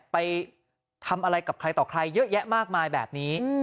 ไปทำอะไรกับใครต่อใครเยอะแยะมากมายแบบนี้